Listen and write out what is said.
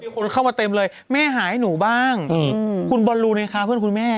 คนเข้ามาเต็มเลยแม่หาให้หนูบ้างคุณบอลลูในคะเพื่อนคุณแม่